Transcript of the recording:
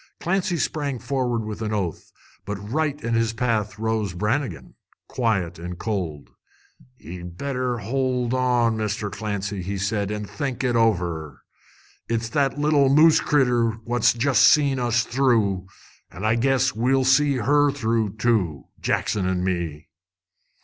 Clancy sprang forward with an oath, but right in his path rose Brannigan, quiet and cold. "Ye better hold on, Mr. Clancy," said he, "an' think it over. It's that little moose critter what's jest seen us through, an' I guess we'll see her through, too, Jackson an' me!"